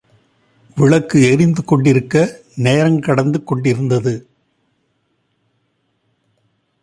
விளக்கு எரிந்து கொண்டிருக்க, நேரங்கடந்து கொண்டிருந்தது.